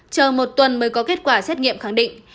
chờ một tuần mới có kết quả xét nghiệm khẳng định